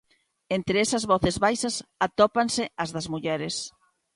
Entre esas voces baixas atópanse as das mulleres.